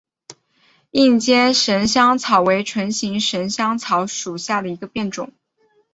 硬尖神香草为唇形科神香草属下的一个变种。